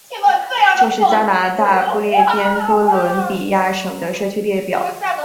这是加拿大不列颠哥伦比亚省的社区列表。